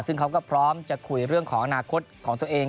ซึ่งเขาก็พร้อมจะคุยเรื่องของอนาคตของตัวเอง